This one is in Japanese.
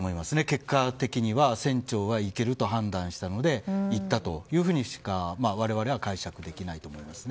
結果的には船長が行けると判断したので行ったというふうにしか我々は解釈できないと思います。